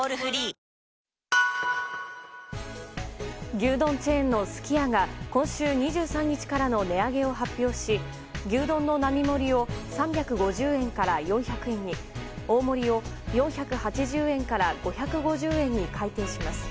牛丼チェーンのすき家が今週２３日からの値上げを発表し牛丼の並盛を３５０円から４００円に大盛を４８０円から５５０円に改定します。